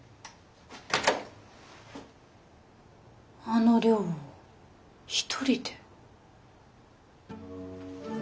あの量を一人で。